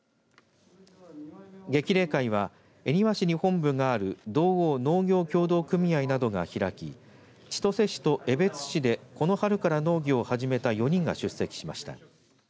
激励会は恵庭市に本部がある道央農業協同組合などが開き千歳市と江別市でこの春から農業を始めた４人が出席しました。